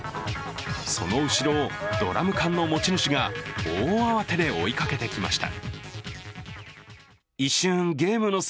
その後ろをドラム缶の持ち主が大慌てで追いかけてきました。